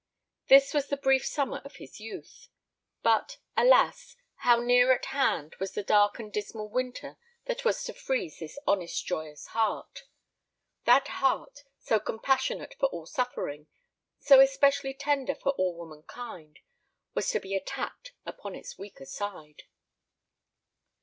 This was the brief summer of his youth; but, alas, how near at hand was the dark and dismal winter that was to freeze this honest joyous heart! That heart, so compassionate for all suffering, so especially tender for all womankind, was to be attacked upon its weaker side.